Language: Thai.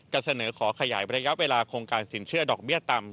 เสนอขอขยายระยะเวลาโครงการสินเชื่อดอกเบี้ยต่ำ